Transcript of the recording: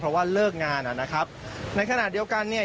เพราะว่าเลิกงานอ่ะนะครับในขณะเดียวกันเนี่ย